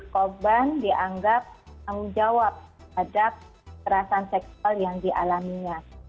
korban dianggap tanggung jawab terhadap kerasan seksual yang dialaminya